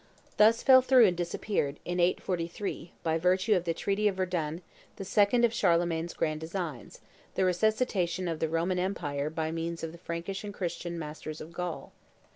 Thus fell through and disappeared, in 843, by virtue of the treaty of Verdun, the second of Charlemagne's grand designs, the resuscitation of the Roman empire by means of the Frankish and Christian masters of Gaul.